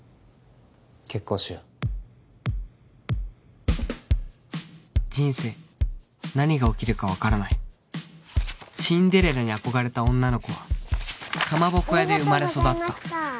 結婚しよう人生何が起きるかわからないシンデレラに憧れた女の子は蒲鉾屋で生まれ育ったありがとうございました